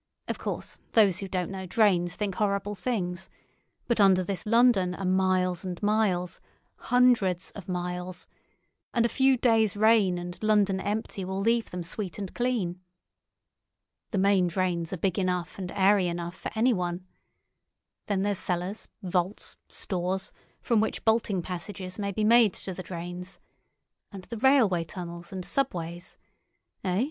Of course those who don't know drains think horrible things; but under this London are miles and miles—hundreds of miles—and a few days rain and London empty will leave them sweet and clean. The main drains are big enough and airy enough for anyone. Then there's cellars, vaults, stores, from which bolting passages may be made to the drains. And the railway tunnels and subways. Eh?